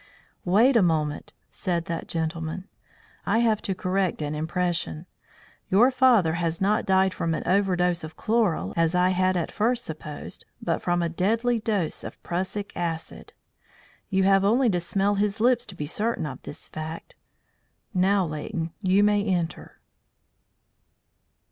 "Wait a moment," said that gentleman. "I have to correct an impression. Your father has not died from an overdose of chloral as I had at first supposed, but from a deadly dose of prussic acid. You have only to smell his lips to be certain of this fact. Now, Leighton, you may enter."